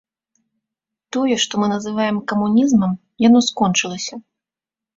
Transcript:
Тое, што мы называем камунізмам, яно скончылася.